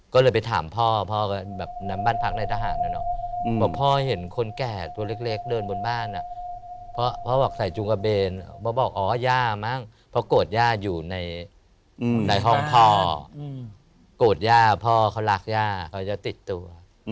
โกรธยาพ่อเขารักยาเขาจะติดตัว